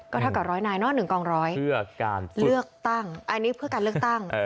ก็เท่ากับร้อยนายเนอะ๑กองร้อยเพื่อการเลือกตั้งอันนี้เพื่อการเลือกตั้ง